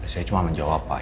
saya cuma menjawab pak